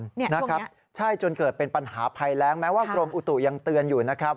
นะครับใช่จนเกิดเป็นปัญหาภัยแรงแม้ว่ากรมอุตุยังเตือนอยู่นะครับ